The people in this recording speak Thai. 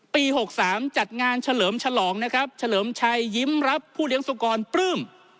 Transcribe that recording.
๖๓จัดงานเฉลิมฉลองนะครับเฉลิมชัยยิ้มรับผู้เลี้ยงสุกรปลื้ม